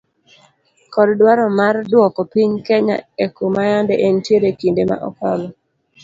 Kod dwaro mar dwoko piny kenya ekuma yande entiere ekinde ma okalo